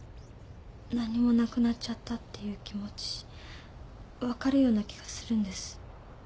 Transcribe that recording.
何もなくなっちゃったっていう気持ち分かるような気がするんです。